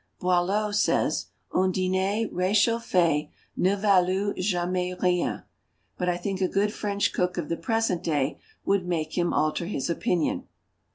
Boileau says, "Un diner réchauffé ne valut jamais rien." But I think a good French cook of the present day would make him alter his opinion.